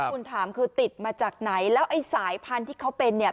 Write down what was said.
คุณถามคือติดมาจากไหนแล้วไอ้สายพันธุ์ที่เขาเป็นเนี่ย